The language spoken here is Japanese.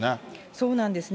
そうなんですね。